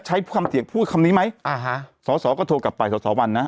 ใช้คำเถียพูดคำนี้ไหมอ่าฮะสอสอก็โทรกลับไปสอสอวันนะ